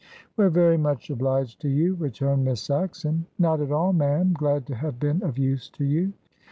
"We're very much obliged to you," returned Miss Saxon. "Not at all, ma'am. Glad to have been of use to you."